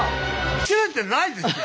切れてないですよ。